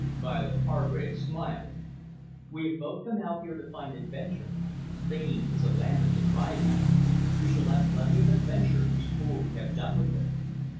Violet Hargrave smiled. "We have both come out here to find adventure. Spain is a land of surprises. We shall have plenty of adventure before we have done with it."